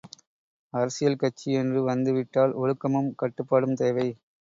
அரசியல் கட்சி என்று வந்து விட்டால் ஒழுக்கமும் கட்டுப்பாடும் தேவை.